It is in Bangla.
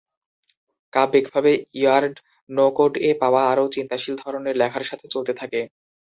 কাব্যিকভাবে, "ইয়ার্ড" "নো কোড" এ পাওয়া আরও চিন্তাশীল ধরনের লেখার সাথে চলতে থাকে।